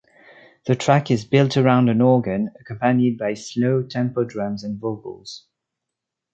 The track is built around an organ accompanied by slow tempo drums and vocals.